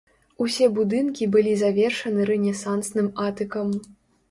Усе будынкі былі завершаны рэнесансным атыкам.